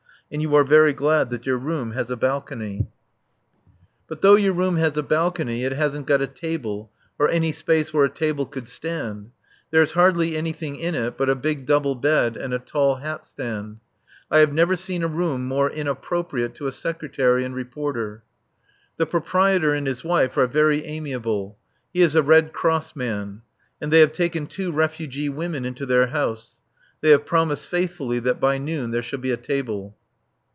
And you are very glad that your room has a balcony. But though your room has a balcony it hasn't got a table, or any space where a table could stand. There is hardly anything in it but a big double bed and a tall hat stand. I have never seen a room more inappropriate to a secretary and reporter. The proprietor and his wife are very amiable. He is a Red Cross man; and they have taken two refugee women into their house. They have promised faithfully that by noon there shall be a table.